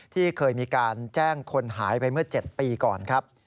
ที่เคยมีการแจ้งคนหายไปเมื่อ๗ปีก่อนครับ